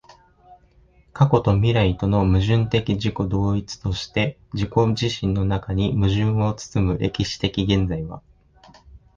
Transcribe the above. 過去と未来との矛盾的自己同一として自己自身の中に矛盾を包む歴史的現在は、